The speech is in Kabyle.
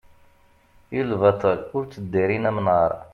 i lbaṭel ur tteddarin amnaṛ